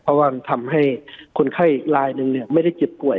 เพราะว่ามันทำให้คนไข้อีกลายหนึ่งไม่ได้เจ็บป่วย